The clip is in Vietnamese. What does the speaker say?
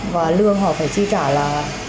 và lương họ phải chi trả